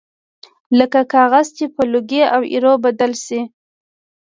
لکه کاغذ چې په لوګي او ایرو بدل شي